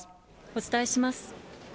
お伝えします。